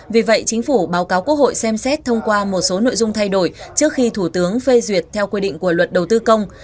vì vậy chính phủ báo cáo quốc hội xem xét thông qua một số nội dung thay đổi trước khi thủ tướng phê duyệt theo quy định của luật đầu tư công